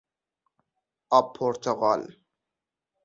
آب پرتقال